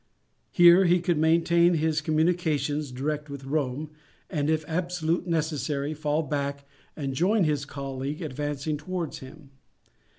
Here he could maintain his communications direct with Rome, and, if absolutely necessary, fall back and join his colleague advancing towards him.